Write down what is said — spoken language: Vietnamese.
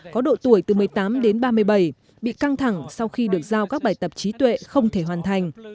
có độ tuổi từ một mươi tám đến ba mươi bảy bị căng thẳng sau khi được giao các bài tập trí tuệ không thể hoàn thành